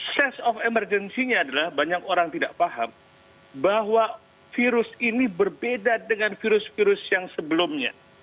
dan ses of emergency nya adalah banyak orang tidak paham bahwa virus ini berbeda dengan virus virus yang sebelumnya